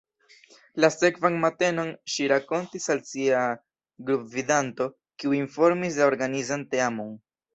La sekvan matenon ŝi rakontis al sia grupgvidanto, kiu informis la organizan teamon.